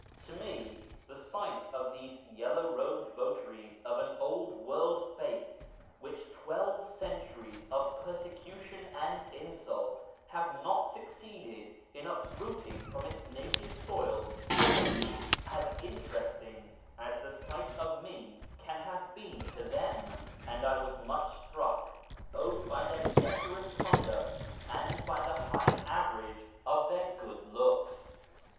To me the sight of these yellow robed votaries of an old world faith, which twelve centuries of Ijersecution and insult have not succeeded in uprooting from its native soil, was at least as interesting as the sight of me can have been to them, and I was much struck both by their decorous conduct and by the high average of their good looks.